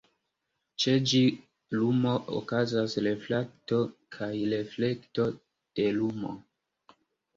Ĉe ĝi lumo okazas refrakto kaj reflekto de lumo.